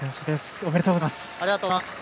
おめでとうございます。